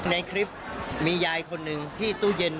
ในคลิปมียายคนหนึ่งที่ตู้เย็น